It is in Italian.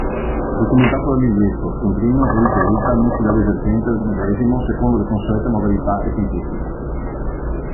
Documentato dal biglietto, scontrino o ricevuta messi dall'esercente medesimo secondo le consuete modalità e tempistica.